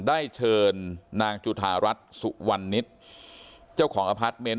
ได้เชิญนางจุธารัฐสุวรรณนิษฐ์เจ้าของอพาร์ทเมนต์